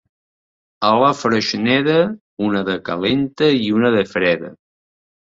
A la Freixneda, una de calenta i una de freda.